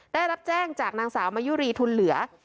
ได้รับแจ้งจากนางสาวมายุรีทุนเหลือ